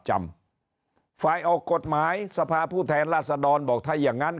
จำฝ่ายออกกฏหมายสภาพผู้แทนราษาดอนม์บอกท่านอย่างงั้น